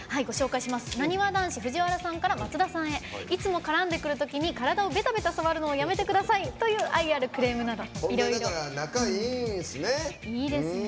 なにわ男子の藤原さんから松田さんへいつも絡んでくるときに体をべたべた触るのをやめてくださいという愛あるクレームなど。